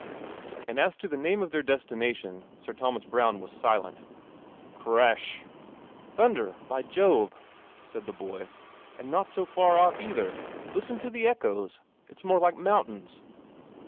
And as to the name of their destination, Sir Thomas Browne was silent. Crash ! "Thunder, by Jove!' said the boy, "and not so far off either. Listen to the echoes ! It 's more like mountains."